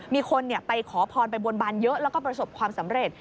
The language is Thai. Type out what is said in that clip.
มีคนไปขอพรไปบนบานเยอะแล้วก็ประสบความสำเร็จ